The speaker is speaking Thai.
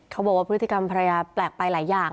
เขาบอกว่าพฤติกรรมภรรยาแปลกไปหลายอย่าง